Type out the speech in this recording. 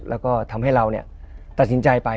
แล้วก็ทำให้เราตัดสินใจไป